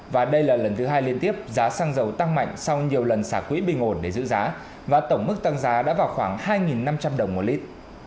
và đây là lần thứ hai liên tiếp giá xăng dầu tăng mạnh sau nhiều lần xả quỹ bình ổn để giữ giá và tổng mức tăng giá đã vào khoảng hai năm trăm linh đồng một lít